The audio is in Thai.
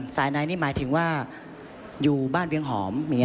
สายนายนี่หมายถึงว่าอยู่บ้านเวียงหอม